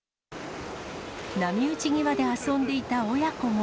波打ち際で遊んでいた親子も。